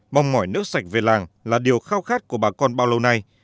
mong mỏi nước sạch về làng là điều khao khát của bà con bao lâu nay